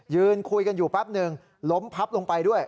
ยืนคุยกันอยู่แป๊บหนึ่งล้มพับลงไปด้วย